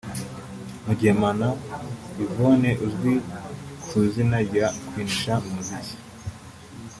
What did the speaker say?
Mugemana Yvonne uzwi ku izina rya Queen Cha mu muziki